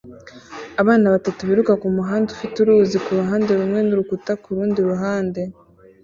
Abana batatu biruka kumuhanda ufite uruzi kuruhande rumwe nurukuta kurundi ruhande